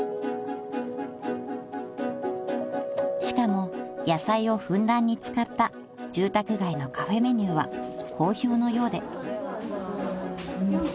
［しかも野菜をふんだんに使った住宅街のカフェメニューは好評のようで］